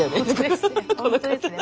本当ですね